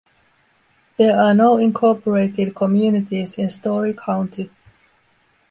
There are no incorporated communities in Storey County.